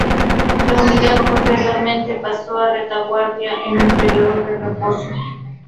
La unidad posteriormente pasó a retaguardia, en un periodo de reposo.